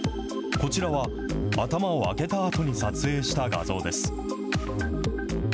こちらは、頭を開けたあとに撮影した画像です。